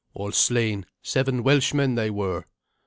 "All slain. Seven Welshmen they were."